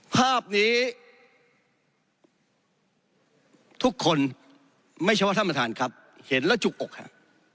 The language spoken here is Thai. ภาพนี้ทุกคนไม่เฉพาะท่านประธานครับเห็นแล้วจุกอกครับ